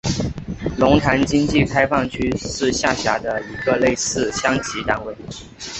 龙潭经济开发区是下辖的一个类似乡级单位。